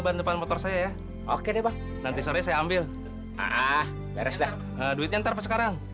ban depan motor saya ya oke deh nanti sore saya ambil ah beres dah duitnya entar sekarang